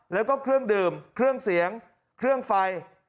แล้วก็เครื่องดื่มเครื่องเสียงเครื่องไฟ